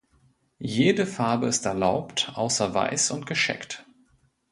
Jede Farbe ist erlaubt, außer Weiß und gescheckt.